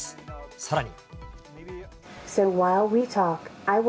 さらに。